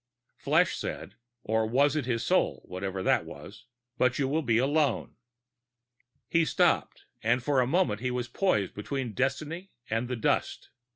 Flesh said (or was it his soul whatever that was?): "But you will be alone." He stopped, and for a moment he was poised between destiny and the dust....